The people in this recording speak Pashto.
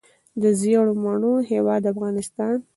د ژیړو مڼو هیواد افغانستان.